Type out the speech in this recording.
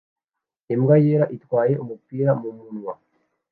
imbwa yera itwaye umupira mumunwa